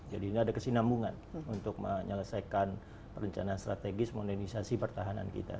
jadi ini ada kesinambungan untuk menyelesaikan perencanaan strategis modernisasi pertahanan kita